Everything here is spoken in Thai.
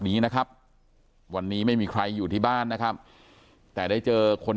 นี้นะครับวันนี้ไม่มีใครอยู่ที่บ้านนะครับแต่ได้เจอคน